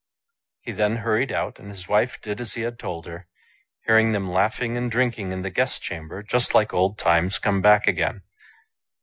He then hurried out, and his wife did as he had told her, hearing them laughing and drinking in the guest chamber just like old times come back again.